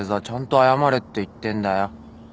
ちゃんと謝れって言ってんだよ。